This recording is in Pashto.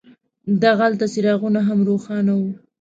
دغلته څراغونه هم روښان وو.